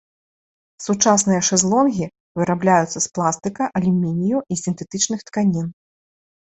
Сучасныя шэзлонгі вырабляюцца з пластыка, алюмінію і сінтэтычных тканін.